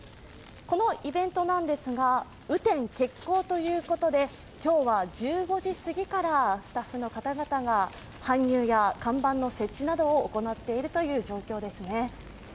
このイベントなんですが雨天決行ということで、今日は１５時すぎからスタッフの方々が搬入や看板の設置などを行っているという状況ですね。